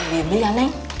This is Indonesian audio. aneh bebel ya neng